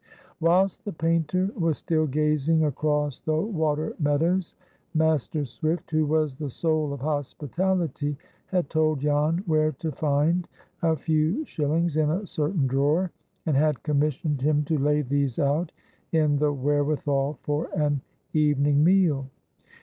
Whilst the painter was still gazing across the water meadows, Master Swift, who was the soul of hospitality, had told Jan where to find a few shillings in a certain drawer, and had commissioned him to lay these out in the wherewithal for an evening meal.